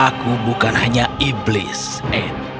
aku bukan hanya iblis ed